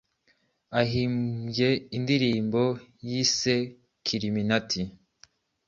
yahimbye indirimbo yise Kill illuminati